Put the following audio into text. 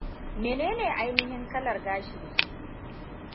Menene ainihin kalar gashinki?